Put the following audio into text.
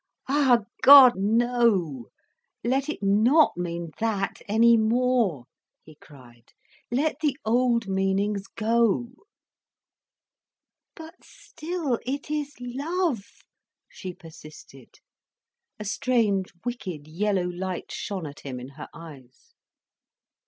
"Ah God, no, let it not mean that any more," he cried. "Let the old meanings go." "But still it is love," she persisted. A strange, wicked yellow light shone at him in her eyes.